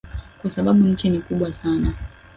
Kwa sababu nchi ni kubwa sana